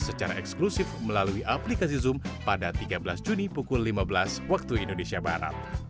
saya berpindah ke rumah yang lebih besar